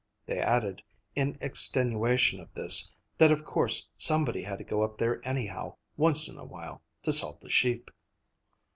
They added, in extenuation of this, that of course somebody had to go up there anyhow, once in a while, to salt the sheep.